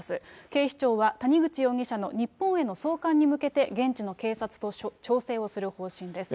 警視庁は谷口容疑者の日本への送還に向けて、現地の警察と調整をする方針です。